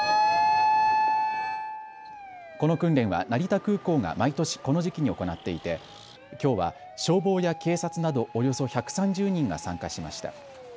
この訓練は成田空港が毎年この時期に行っていてきょうは消防や警察などおよそ１３０人が参加しました。